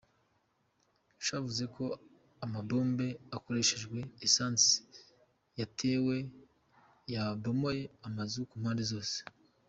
Cavuze ko amabombe akoreshejwe esansi yatewe, yabomoye amazu ku mpande zose.